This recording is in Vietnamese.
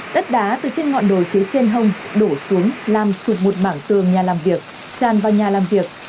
đất đá từ trên ngọn đồi phía trên hông đổ xuống làm sụp một mảng tường nhà làm việc tràn vào nhà làm việc